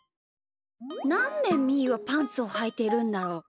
なんでみーはパンツをはいてるんだろう？